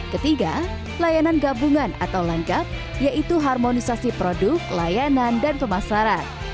ketiga layanan gabungan atau langgap yaitu harmonisasi produk layanan dan pemasaran